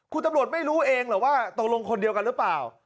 คุณตำรวจไม่รู้เองเหรอว่าตกลงคนเดียวกันหรือเปล่า